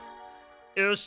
よし。